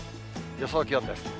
予想気温です。